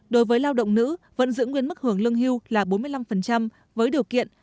đối với lao động nữ vận dựng nguyên mức hưởng lương hưu là bốn mươi năm với điều kiện